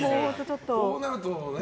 こうなるとね。